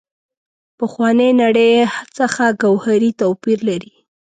پخوانۍ نړۍ څخه ګوهري توپیر لري.